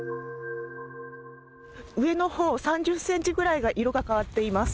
上のほう３０ｃｍくらいが色が変わっています。